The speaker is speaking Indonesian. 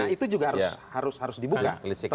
nah itu juga harus dibuka